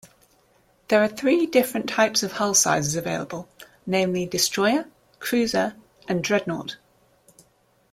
There are three different types of hull sizes available, namely destroyer, cruiser, and dreadnought.